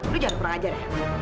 lu jangan kurang ajar ya